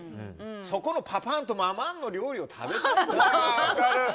そこのパパンとママンの料理を食べたいんだよ。